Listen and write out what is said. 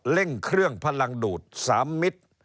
เร่งเครื่องพลังดูด๓มิตร